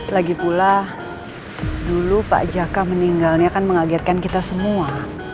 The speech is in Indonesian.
lagipula dulu pak jaka meninggalnya kan mengagetkan kita semua